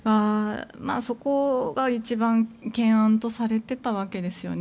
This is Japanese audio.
そこが一番懸案とされていたわけですよね。